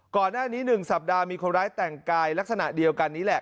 ก่อนหน้านี้๑สัปดาห์มีคนร้ายแต่งกายลักษณะเดียวกันนี้แหละ